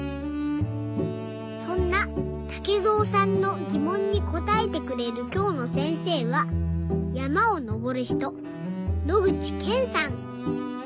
そんなたけぞうさんのぎもんにこたえてくれるきょうのせんせいはやまをのぼるひと野口健さん。